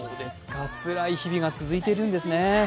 つらい日々が続いているんですね。